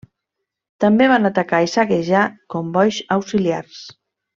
També van atacar i saquejar combois auxiliars.